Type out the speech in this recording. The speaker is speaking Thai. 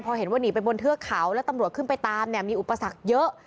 พอเห็นว่าหนีไปบนเทือกเขาแล้วตำรวจขึ้นไปตามเนี่ยมีอุปสรรคเยอะ